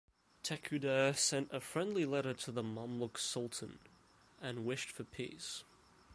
Tekuder sent a friendly letter to the Mamluk sultan and wished for peace.